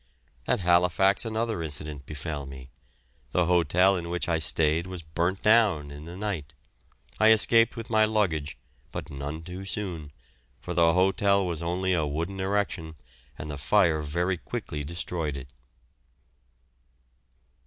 At Halifax another incident befel me. The hotel in which I stayed was burnt down in the night. I escaped with my luggage, but none too soon, for the hotel was only a wooden erection and the fire very quickly destroyed it.